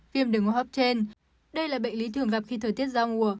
viêm đường hốp trên đây là bệnh lý thường gặp khi thời tiết giao mùa